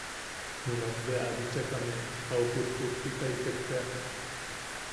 Bea junak bea a bichakame au pupputtitaitek tea.